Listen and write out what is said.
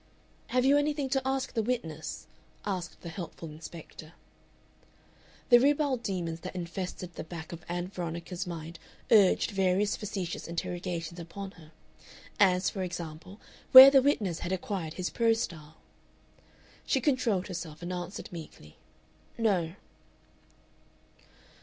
"Have you anything to ask the witness?" asked the helpful inspector. The ribald demons that infested the back of Ann Veronica's mind urged various facetious interrogations upon her, as, for example, where the witness had acquired his prose style. She controlled herself, and answered meekly, "No."